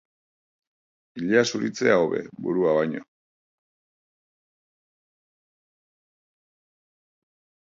Ilea zuritzea hobe, burua baino.